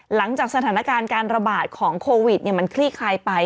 หลังจากสถานการณ์การระบาดของโควิดมันคลี่คลายไป